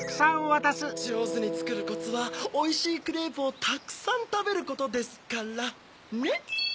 じょうずにつくるコツはおいしいクレープをたくさんたべることですからねっ？